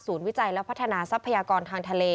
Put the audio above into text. วิจัยและพัฒนาทรัพยากรทางทะเล